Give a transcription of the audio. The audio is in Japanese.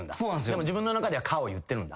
でも自分の中では「か」を言ってるんだ？